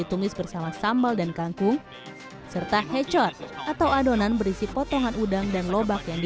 ditumis bersama sambal dan kangkung sertathecor atau adonan berisi potongan udang dan lobak yang